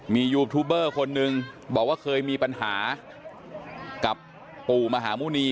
มียูทูบเบอร์คนนึงบอกว่าเคยมีปัญหากับปู่มหาหมุณี